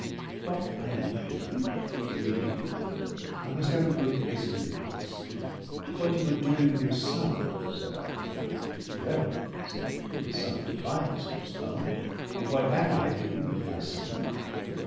"What I am doing?" he repeated; "I was never good at guessing riddles." "What you are doing with your son?" said I. "Well," said he, with some defiance in his tone, "and what am I doing with my son?"